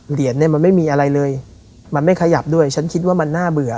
เหรียญเนี่ยมันไม่มีอะไรเลยมันไม่ขยับด้วยฉันคิดว่ามันน่าเบื่อ